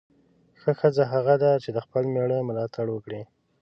ښه ښځه هغه ده چې د خپل میړه ملاتړ وکړي.